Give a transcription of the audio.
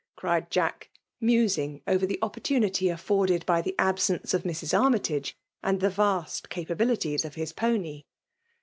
cried Jack* •4alianlg over the opportunity aifavded'by the absence of Mrs. Armytage, and the vast capa^ .failities ofhis pony.